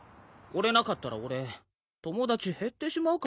これなかったら俺友達減ってしまうかもしれへん。